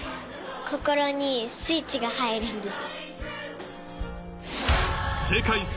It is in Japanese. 心にスイッチが入るんです。